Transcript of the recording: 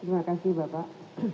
terima kasih bapak